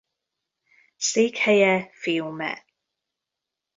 Székhelye Fiume.